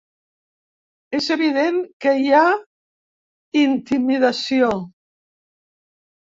És evident que hi ha intimidació.